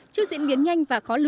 chưa diễn biến nhanh và khó lừa